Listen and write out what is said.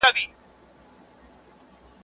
چي مور ئې مرېټۍ وي، زوى ئې نه فتح خان کېږي.